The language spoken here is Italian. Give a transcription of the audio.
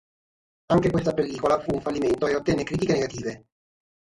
Anche questa pellicola fu un fallimento e ottenne critiche negative.